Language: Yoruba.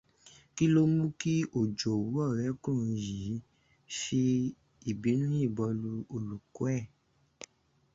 Kí ló mú kí òjòwú ọ̀rẹ́kùnrin yìí fì ìbínú yìnbọn lu olùkọ́ ẹ̀?